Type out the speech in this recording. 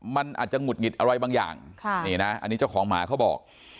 มันอาจจะหงุดหงิดอะไรบางอย่างนี่นะอันนี้เจ้าของหมาเขาบอก